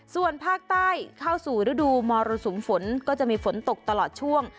ส่วนภาคใต้เข้าสู่ฤดูมรสุมฝนก็จะมีฝนตกตลอดช่วง